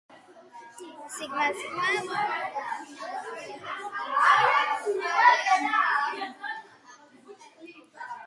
ძლიერია როგორც ხმოვანთა, ისე თანხმოვანთა ჰარმონია.